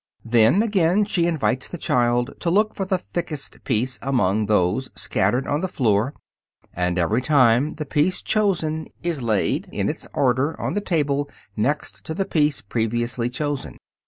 Then, again, she invites the child to look for the thickest piece among those scattered on the floor, and every time the piece chosen is laid in its order on the table next to the piece previously chosen.